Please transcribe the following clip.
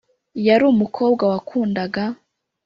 yari umukobwa wakundaga